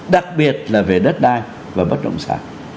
đặc biệt là về đất đai và bất động sản